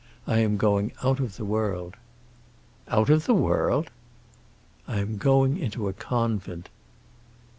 I am going out of the world." "Out of the world?" "I am going into a convent."